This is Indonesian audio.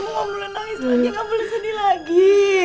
ibu ga boleh nangis lagi ga boleh sedih lagi